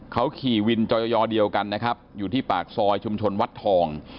เขาขี่วินจอยอเดียวกันนะครับอยู่ที่ปากซอยชุมชนวัดทอง